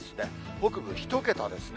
北部１桁ですね。